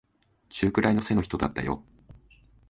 中くらいの背の人だったよ。